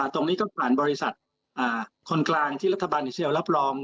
ตรงนี้ก็ผ่านบริษัทคนกลางที่รัฐบาลอิสรารับรอง